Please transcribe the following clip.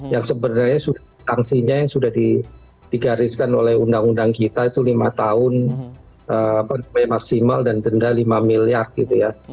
yang sebenarnya sanksinya yang sudah digariskan oleh undang undang kita itu lima tahun maksimal dan denda lima miliar gitu ya